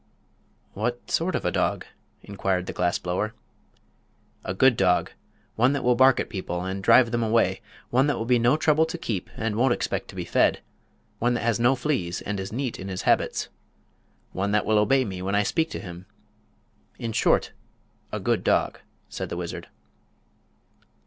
"What sort of a dog?" inquired the glass blower. "A good dog. One that will bark at people and drive them away. One that will be no trouble to keep and won't expect to be fed. One that has no fleas and is neat in his habits. One that will obey me when I speak to him. In short, a good dog," said the wizard.